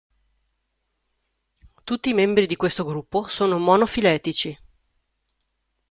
Tutti i membri di questo gruppo sono monofiletici.